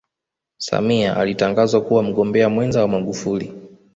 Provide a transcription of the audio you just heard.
samia alitangazwa kuwa mgombea mwenza wa magufuli